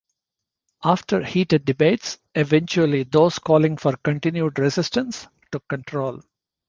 After heated debates, eventually those calling for continued resistance took control.